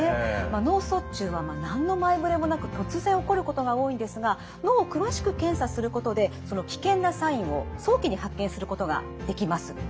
脳卒中は何の前触れもなく突然起こることが多いんですが脳を詳しく検査することでその危険なサインを早期に発見することができます。